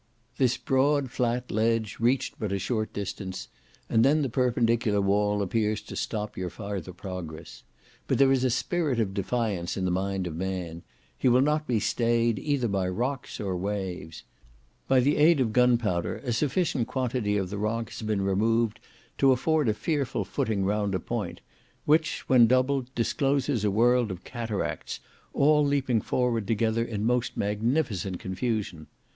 This broad flat ledge reached but a short distance, and then the perpendicular wall appears to stop your farther progress; but there is a spirit of defiance in the mind of man; he will not be stayed either by rocks or waves. By the aid of gunpowder a sufficient quantity of the rock has been removed to afford a fearful footing round a point, which, when doubled, discloses a world of cataracts, all leaping forward together in most magnificent confusion.